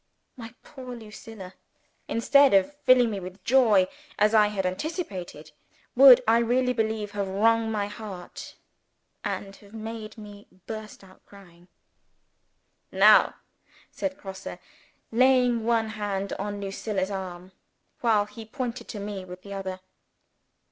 My poor Lucilla instead of filling me with joy, as I had anticipated would I really believe have wrung my heart, and have made me burst out crying. "Now!" said Grosse, laying one hand on Lucilla's arm, while he pointed to me with the other.